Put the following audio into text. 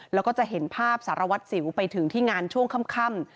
แล้วก็จะเห็นภาพสารวัตรสิวไปถึงที่งานช่วงค่ำ